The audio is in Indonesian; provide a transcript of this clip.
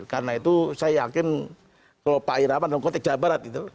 karena itu saya yakin kalau pak irama dalam konteks jawa barat gitu